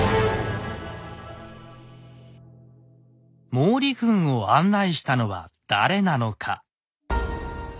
毛利軍を案内したのは誰なのか。